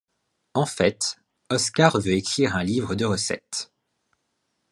En fait, Oskar veut écrire un livre de recettes.